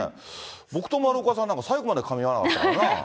僕と丸岡さんなんか最後までかみ合わなかったからな。